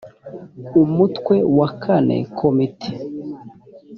umutwe wa iv komite